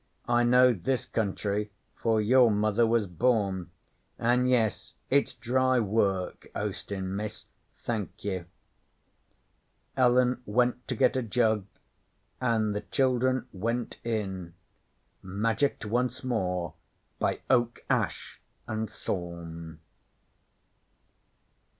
I knowed this country 'fore your mother was born; an' yes, it's dry work oastin', Miss. Thank you.' Ellen went to get a jug, and the children went in magicked once more by Oak, Ash, and Thorn!